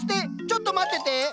ちょっと待ってて。